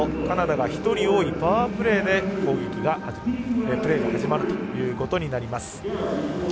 カナダが１人多いパワープレーでプレーが始まるということになります。